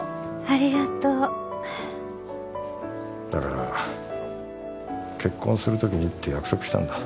ありがとうだから結婚するときにって約束したんだ